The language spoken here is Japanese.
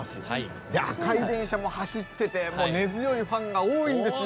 赤い電車も走っててもう根強いファンが多いんですよ。